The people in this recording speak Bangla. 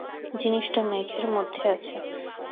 জিনিসটা মেঘের মধ্যে আছে।